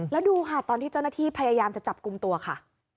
แล้วดูค่ะตอนที่เจ้าหน้าที่พยายามจะจับกลุ่มตัวค่ะ